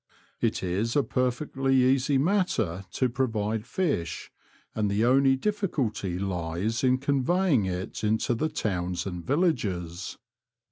It is a perfectly easy matter to provide fish and the only difficulty lies in conveying it into the towns and villages.